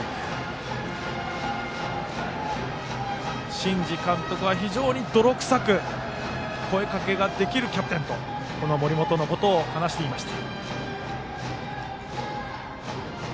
新治監督が非常に泥臭く声かけができるキャプテンと森本のことを話していました。